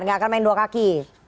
nggak akan main dua kaki